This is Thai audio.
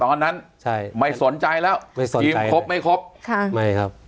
ตอนนั้นใช่ไม่สนใจแล้วทีมครบไม่ครบค่ะไม่ครับ